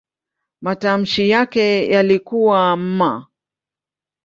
Matamshi yake yalikuwa "m".